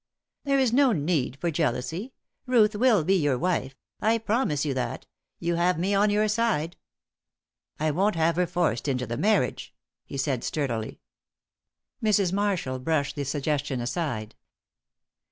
"There is no need for jealousy. Ruth will be your wife. I promise you that; you have me on your side." "I won't have her forced into the marriage," he said, sturdily. Mrs. Marshall brushed the suggestion aside.